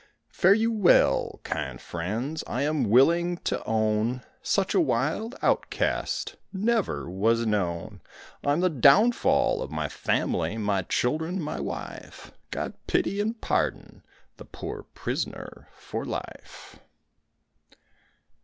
Fare you well, kind friends, I am willing to own, Such a wild outcast Never was known; I'm the downfall of my family, My children, my wife; God pity and pardon The poor prisoner for life.